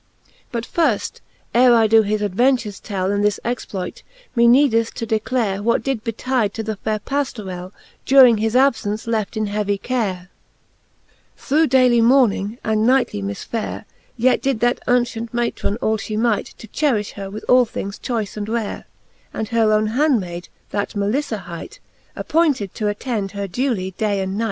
XIV. But firft, ere I doe his adventures tell. In this exploit, me needeth to declare, ' What did betide to the /aire Pajiorell^ During his abfence left in heavy care, Through daily mourning, and nightly misfare: Yet did that auncient matrone all ftie might, To cherifti her with all things choice and rare ; And her owne handmayd, that Meliffa hight, Appointed to attend her dewly day and night.